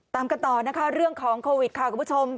ตามกันต่อนะคะเรื่องของโควิดค่ะคุณผู้ชม